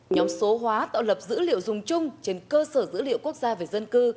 nhóm số hóa tạo lập dữ liệu dùng chung trên cơ sở dữ liệu quốc gia về dân cư